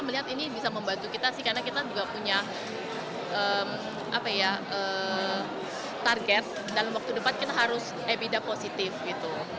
bukalapak ini juga membangun kekuatan finansial yang lebih jauh yakni pendapatan sebelum bunga pajak depresiasi dan amortisasi atau ebitda